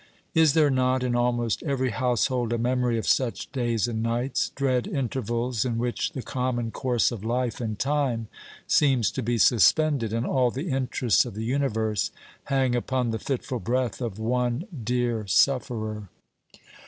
Is there not, in almost every household, a memory of such days and nights dread intervals in which the common course of life and time seems to be suspended, and all the interests of the universe hang upon the fitful breath of one dear sufferer?